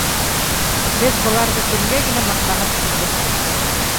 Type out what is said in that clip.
Беҙ быларҙы кемгә генә маҡтанып күрһәтмәнек.